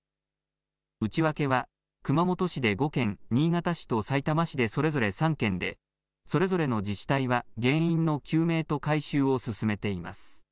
内訳は熊本市で５件、新潟市とさいたま市でそれぞれ３件で、それぞれの自治体は原因の究明と改修